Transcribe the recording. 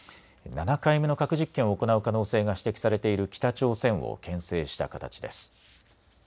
７回目の核実験を行う可能性が指摘されている北朝鮮をけん制した形です。